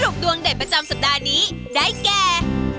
ดวงเด็ดประจำสัปดาห์นี้ได้แก่